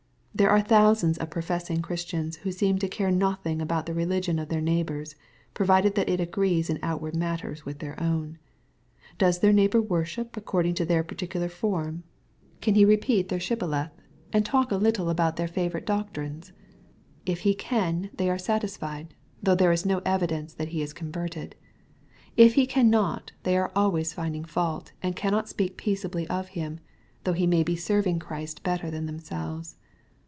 There are thousands of professing Christians, who seem to care nothing about the religion of their neighbors, provided that it agrees in outward matters with their own. Does their neighbor worship according to their particular form ? Can he repeat their shibboleth, and talk a little 172 EXPOSITORY THOUGHTS. about their favorite doctrines ? If he can, they are satisfied, though there is no evidence that he is con verted. If he cannot, they are always finding fault, and cannot speak peaceably of him, though he may be serving Christ better than themselves.